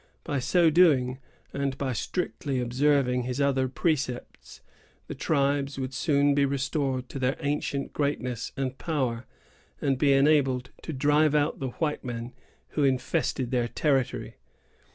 By so doing, and by strictly observing his other precepts, the tribes would soon be restored to their ancient greatness and power, and be enabled to drive out the white men who infested their territory.